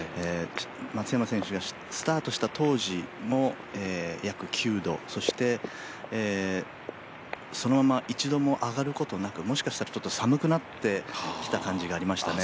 松山選手がスタートした当時も約９度そしてそのまま一度も上がることなく、もしかしたらちょっと寒くなってきた感じがありましたね。